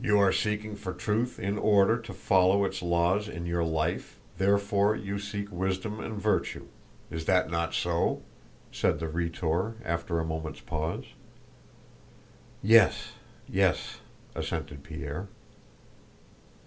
"You are seeking for truth in order to follow its laws in your life, therefore you seek wisdom and virtue. Is that not so?" said the Rhetor, after a moment's pause. "Yes, yes," assented Pierre.